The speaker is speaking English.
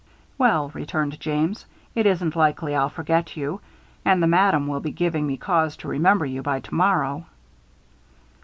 "Well," returned James, "it isn't likely I'll forget you, and the madam will be giving me cause to remember you by tomorrow."